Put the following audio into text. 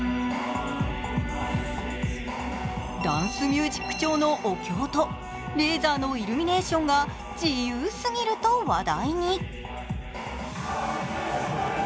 ダンスミュージック調のお経とレーザーのイルミネーションが自由すぎると話題に。